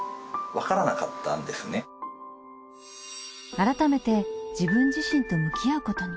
改めて自分自身と向き合うことに。